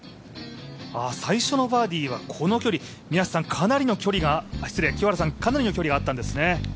最初のバーディーはこの距離、かなりの距離があったんですね。